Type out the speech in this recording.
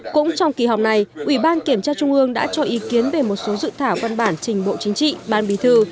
năm cũng trong kỳ họp này ủy ban kiểm tra trung ương đã cho ý kiến về một số dự thảo văn bản trình bộ chính trị ban bí thư